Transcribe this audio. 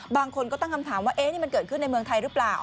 บางคนก็ตั้งคำถามว่านี่มันเกิดขึ้นในเมืองไทยหรือเปล่า